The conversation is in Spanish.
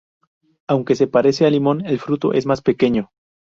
Aunque se parece al limón, el fruto es más pequeño.